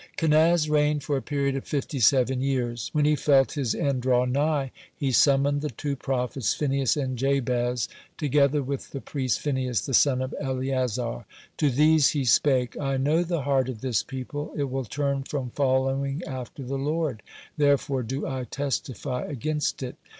Kenaz reigned for a period of fifty seven years. When he felt his end draw nigh, he summoned the two prophets, Phinehas and Jabez, (19) together with the priest Phinehas, the son of Eleazar. To these he spake: "I know the heart of this people, it will turn from following after the Lord. Therefore do I testify against it."